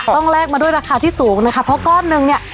แลกมาด้วยราคาที่สูงนะคะเพราะก้อนหนึ่งเนี่ย